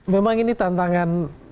memang ini tantangan